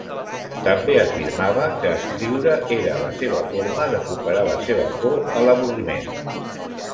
També afirmava que escriure era la seva forma de superar la seva por a l'avorriment.